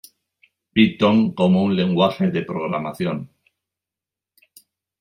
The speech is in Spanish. Python como un legunaje de programación.